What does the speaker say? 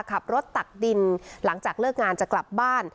ตักดินหลังจากเลิกงานจะกลับบ้าน